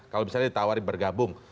kalau misalnya ditawari bergabung